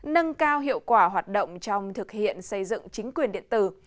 nâng cao hiệu quả hoạt động trong thực hiện xây dựng chính quyền điện tử